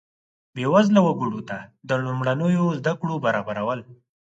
بیوزله وګړو ته د لومړنیو زده کړو برابرول.